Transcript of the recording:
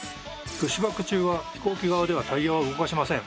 プッシュバック中は飛行機側ではタイヤは動かしません。